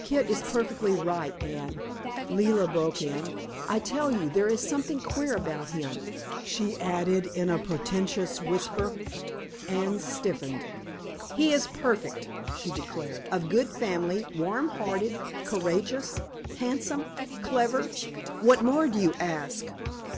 "Kit is perfectly right, Anne," Leila broke in. "I tell you, there is something queer about him," she added in a portentous whisper. Anne stiffened. "He is perfect," she declared. "Of good family, warm hearted, courageous, handsome, clever what more do you ask?"